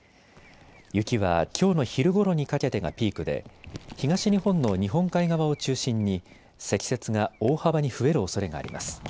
雪はきょうの昼ごろにかけてがピークで東日本の日本海側を中心に積雪が大幅に増えるおそれがあります。